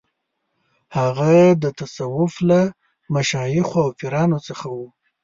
هغه د تصوف له مشایخو او پیرانو څخه و.